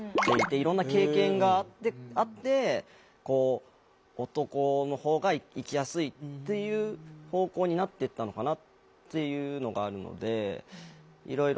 いろんな経験があってこう男の方が生きやすいっていう方向になっていったのかなっていうのがあるのでいろいろ。